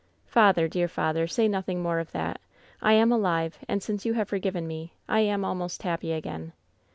*" Tather, dear father, say nothing more of that. I am alive, and since you have forgiven me, I am almost happy again.